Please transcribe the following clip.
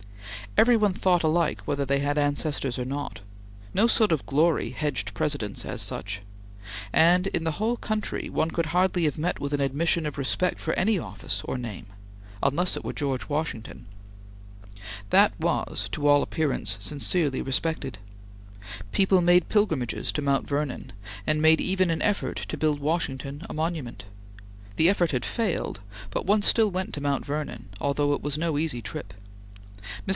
Every one thought alike whether they had ancestors or not. No sort of glory hedged Presidents as such, and, in the whole country, one could hardly have met with an admission of respect for any office or name, unless it were George Washington. That was to all appearance sincerely respected. People made pilgrimages to Mount Vernon and made even an effort to build Washington a monument. The effort had failed, but one still went to Mount Vernon, although it was no easy trip. Mr.